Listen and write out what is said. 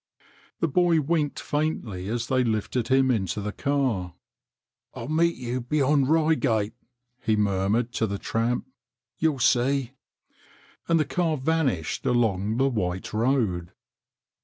The boy winked faintly as they lifted him into the car. "I'll meet you beyond Reigate," he mur mured to the tramp. " You'll see." And the car vanished along the white road.